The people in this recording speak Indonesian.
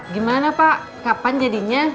gimana pak kapan jadinya